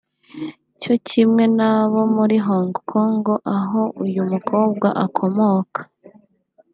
cyo kimwe n’abo muri Hong Kong aho uyu mukobwa akomoka